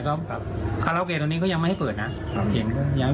ครับครับคาราโอเกะตรงนี้ก็ยังไม่ให้เปิดนะครับเห็นก็ยังไม่